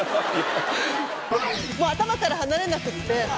もう頭から離れなくって。